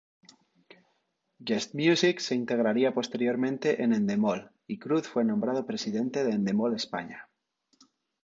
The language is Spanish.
Gestmusic se integraría posteriormente en Endemol, y Cruz fue nombrado Presidente de Endemol-España.